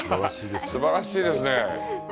すばらしいですね。